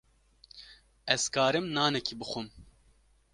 Ez karim nanekî bixwim.